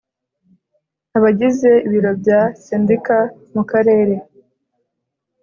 Abagize Ibiro bya Sendika mu Karere